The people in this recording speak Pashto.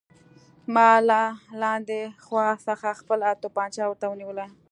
ما له لاندې خوا څخه خپله توپانچه ورته ونیوله